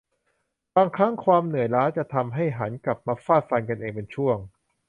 บางครั้งความเหนื่อยล้าจะทำให้หันกลับมาฟาดฟันกันเองเป็นช่วง